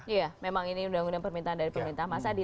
iya memang ini undang undang permintaan dari pemerintah mas adi